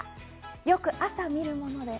よく朝見るものです。